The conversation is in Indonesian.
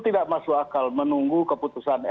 tidak masuk akal menunggu keputusan